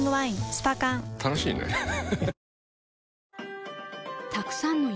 スパ缶楽しいねハハハ